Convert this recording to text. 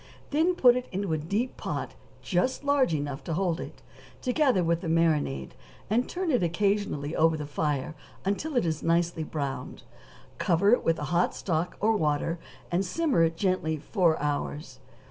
Then put it into a deep pot just large enough to hold it, together with the marinade, and turn it occasionally over the fire until it is nicely browned; cover it with hot stock or water, and simmer it gently four hours.